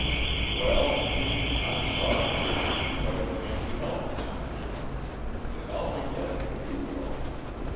"Well, Jimmie, I'm sorry. But it can't be helped now, can it? And I'll forget it if you will."